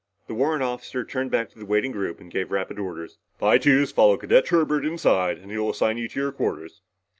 The warrant officer turned back to the waiting group and gave rapid orders. "By twos, follow Cadet Herbert inside and he'll assign you to your quarters.